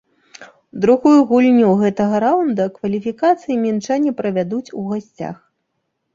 Другую гульню гэтага раунда кваліфікацыі мінчане правядуць у гасцях.